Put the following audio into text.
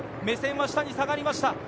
目線は下に下がりました。